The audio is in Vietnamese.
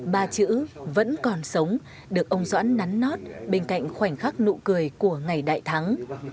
ba chữ vẫn còn sống được ông doãn nắn nót bên cạnh khoảnh khắc nụ cười của ngày đại thắng